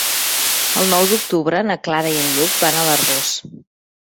El nou d'octubre na Clara i en Lluc van a l'Arboç.